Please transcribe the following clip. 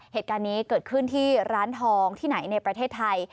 เหตุการณ์นี้เกิดขึ้นที่ร้านทองที่ไหนในประเทศไทย